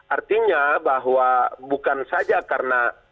artinya bahwa bukan saja karena